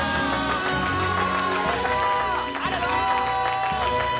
ありがとう！